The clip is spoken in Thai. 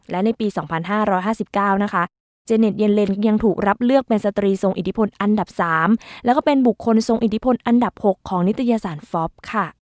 และในปี๒๕๕๙นะคะเจเน็ตเย็นเลนสยังถูกรับเลือกเป็นสตรีทรงอิทธิพลอันดับ๓แล้วก็เป็นบุคคลทรงอิทธิพลอันดับ๖ของนิตยสารฟอปค่ะ